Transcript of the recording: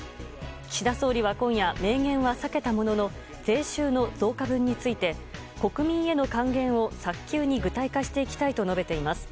岸田総理は今夜明言は避けたものの税収の増加分について国民への還元を早急に具体化していきたいと述べています。